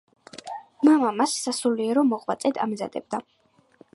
მამა მას სასულიერო მოღვაწედ ამზადებდა.